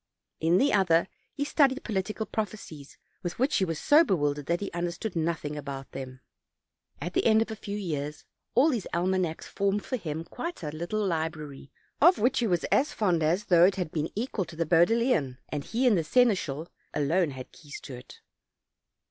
In the other he studied political proph ecies, with which he was so bewildered that he under stood nothing about them. At the end of a few years all these almanacs formed for him quite a little library, of which he was as fond as though it had been equal to the Bodleian, and he and the seneschal alone had keys to it.